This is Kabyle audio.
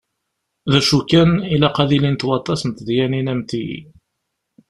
D acu kan ilaq ad ilint waṭas n tedyanin am ti.